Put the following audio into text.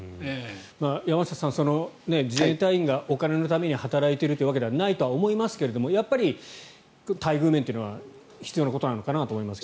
山下さん、自衛隊員がお金のために働いているわけではないと思いますがやっぱり待遇面は必要なことなのかなと思いますが。